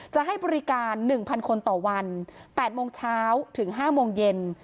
จะให้บริการ๑๐๐คนต่อวัน๘โมงเช้าถึง๕โมงเย็น